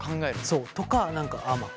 そう。とか何かあまあ